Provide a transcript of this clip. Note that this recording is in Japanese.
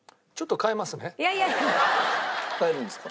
変えるんですか？